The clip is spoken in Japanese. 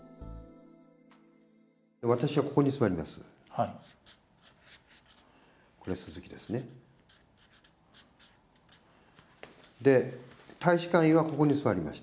私はここに座ります。